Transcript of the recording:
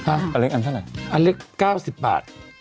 อันเล็กอันเท่าไหร่อันเล็ก๙๐บาท